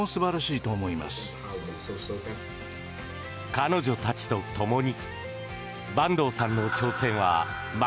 彼女たちとともに。